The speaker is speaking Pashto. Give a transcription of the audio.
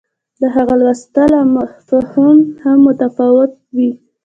د هغه لوستل او فهم هم متفاوت وي.